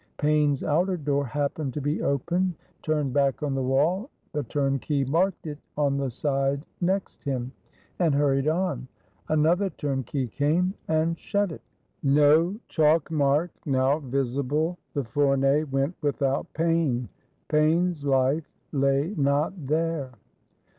Paine's outer door happened to be open, turned back on the wall; the Turnkey marked it on the side next him, and hurried on: another Turnkey came, and shut it; no chalk mark now visible, the Fournee went without Paine. Paine's life lay not there.